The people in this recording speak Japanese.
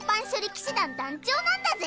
騎士団団長なんだぜ。